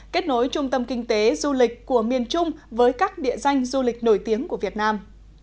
kết nối trung tâm kinh tế du lịch của miền trung với các địa danh du lịch nổi tiếng của việt nam